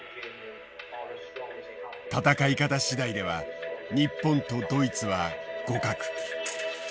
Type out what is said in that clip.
戦い方次第では日本とドイツは互角。